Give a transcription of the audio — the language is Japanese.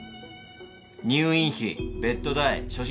入院費ベッド代初診